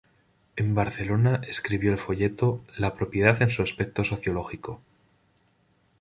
En Barcelona escribió el folleto "La propiedad en su aspecto sociológico".